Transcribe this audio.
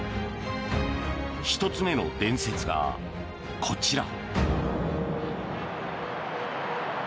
１つ目の伝説がこちら。